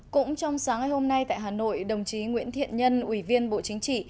cũng trong sáng ngày hôm nay tại hà nội đồng chí nguyễn thiện nhân ủy viên bộ chính trị